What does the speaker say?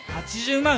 ８０万